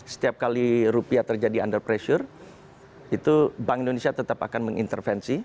setiap kali rupiah terjadi under pressure itu bank indonesia tetap akan mengintervensi